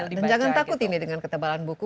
dan jangan takut ini dengan ketebalan buku